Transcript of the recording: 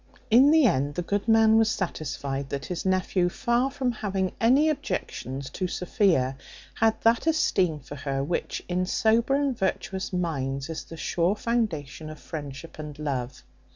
In the end, the good man was satisfied that his nephew, far from having any objections to Sophia, had that esteem for her, which in sober and virtuous minds is the sure foundation of friendship and love.